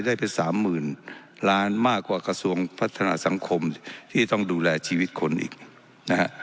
ได้ไปสามหมื่นล้านมากกว่ากระทรวงพัฒนาสังคมที่ต้องดูแลชีวิตคนอีกนะฮะ